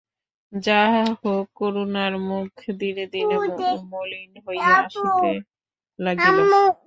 যাহা হউক, করুণার মুখ দিনে দিনে মলিন হইয়া আসিতে লাগিল।